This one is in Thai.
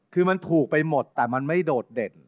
คือมันถูกไปหมดแต่มันไม่โดดเด่น